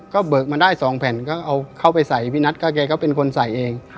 ก็เบิกมาได้๒แผ่นก็เอาเข้าไปใส่พี่นัทก็แกก็เป็นคนใส่เอง